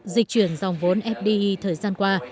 dịch chuyển dòng vốn fdi thời gian qua